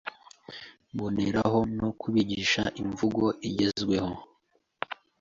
mbonereho no kubigisha imvugo igezweho